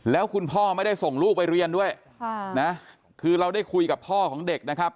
แล้วคุณพ่อไม่ได้ส่งลูกไปเรียนด้วยค่ะนะคือเราได้คุยกับพ่อของเด็กนะครับ